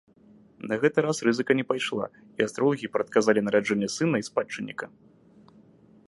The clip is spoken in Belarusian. На гэты раз рызыка не пайшла, і астролагі прадказалі нараджэнне сына і спадчынніка.